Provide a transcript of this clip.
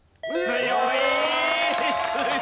強い！